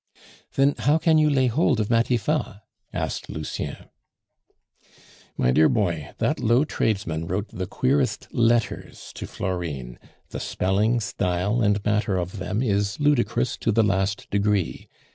"Then how can you lay hold of Matifat?" asked Lucien. "My dear boy, that low tradesman wrote the queerest letters to Florine; the spelling, style, and matter of them is ludicrous to the last degree.